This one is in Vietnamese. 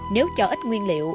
nếu cho ít nguyên liệu